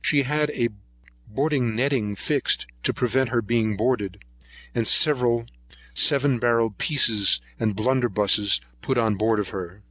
She had a boarding netting fixed, to prevent her being boarded, and several seven barrelled pieces and blunderbusses put on board of her.